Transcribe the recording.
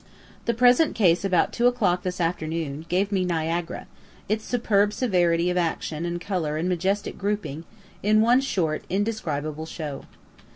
The present case about two o'clock this afternoon, gave me Niagara, its superb severity of action and color and majestic grouping, in one short, indescribable show.